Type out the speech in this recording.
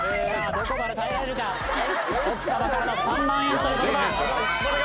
どこまで耐えられるか奥様からの３万円という言葉